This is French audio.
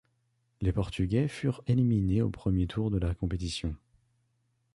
Les Portugais furent éliminés au premier tour de la compétition.